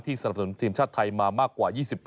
สนับสนุนทีมชาติไทยมามากกว่า๒๑